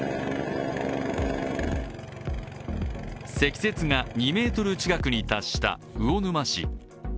積雪が２ｍ近くに達した魚沼市。